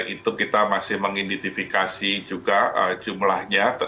itu kita masih mengidentifikasi juga jumlahnya